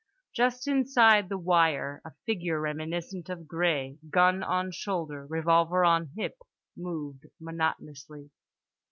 Just inside the wire a figure reminiscent of Gré, gun on shoulder, revolver on hip, moved monotonously.